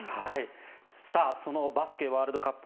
そのバスケットワールドカップ